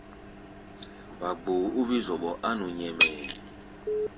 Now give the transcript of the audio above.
Wa gboo ó wí-zɔɓɔ á nu nyɛmɛɛ.